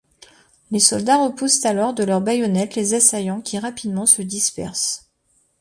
Les soldats repoussent alors de leur baïonnette les assaillants, qui rapidement se dispersent.